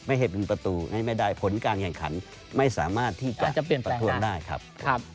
ไม่ให้เป็นประตูไม่ได้ผลการแข่งขันไม่สามารถที่จะประทบได้ครับ